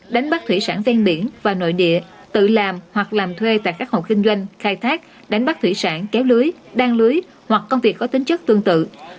đánh bắt thủy sản ven biển và nội địa tự làm hoặc làm thuê tại các hộ kinh doanh khai thác đánh bắt thủy sản kéo lưới đang lưới hoặc công việc có tính chất tương tự